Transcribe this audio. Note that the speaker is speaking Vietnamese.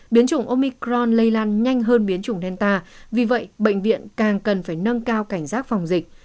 biến chủng omicron lây lan nhanh hơn biến chủng delta vì vậy bệnh viện càng cần phải nâng cao cảnh giác phòng dịch